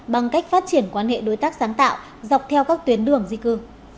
bằng cách phát triển quan hệ đối tác sáng tạo dọc theo các tuyến đường di cư